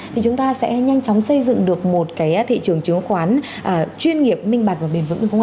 thì chúng ta sẽ nhanh chóng xây dựng được một cái thị trường chứng khoán chuyên nghiệp minh bạch và bền vững đúng không ạ